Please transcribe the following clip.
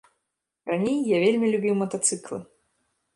Раней я вельмі любіў матацыклы.